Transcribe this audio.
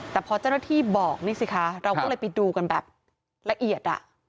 แต่พอเจ้าหน้าที่บอกนี่สิคะเราก็เลยไปดูกันแบบละเอียด